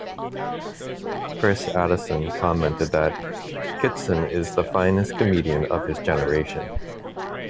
Chris Addison commented that 'Kitson is the finest comedian of his generation'.